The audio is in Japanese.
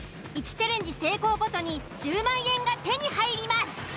１チャレンジ成功ごとに１０万円が手に入ります。